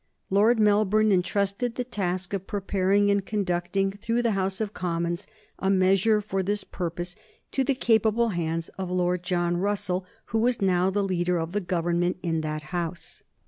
Lord Melbourne intrusted the task of preparing and conducting through the House of Commons a measure for this purpose to the capable hands of Lord John Russell, who was now the leader of the Government in that House.